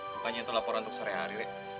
bukannya itu laporan untuk sore hari ri